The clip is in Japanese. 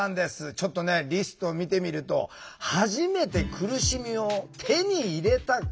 ちょっとねリストを見てみると「はじめて苦しみを手に入れた」。